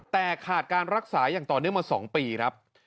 แต่ขาดการรักษาอย่างต่อเนื่องมา๒ปีครับ